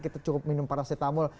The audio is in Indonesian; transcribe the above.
kita cukup minum paracetamol